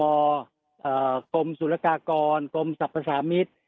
อ่ากรมศูนย์สุฬาการกรมสับประสามิด